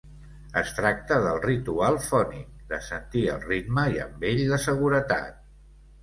Es tracta del ritual fònic, de sentir el ritme, i amb ell, la seguretat.